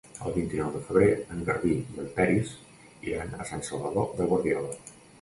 El vint-i-nou de febrer en Garbí i en Peris iran a Sant Salvador de Guardiola.